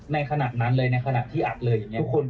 ในขณะนั้นเลยในขณะที่อัดเลยอย่างนี้